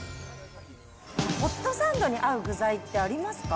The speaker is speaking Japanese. ホットサンドに合う具材ってありますか？